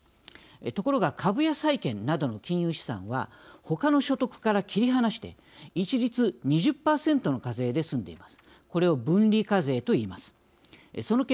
ところが、株や債券などの金融資産はほかの所得から切り離して一律２０％の課税で済んでいます。